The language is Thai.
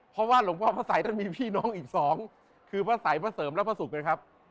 เพราะว่าหลวงพ่อพระสัยท่านมีพี่น้องอีกสองคือพระสัยพระเสริมและพระศุกร์นะครับ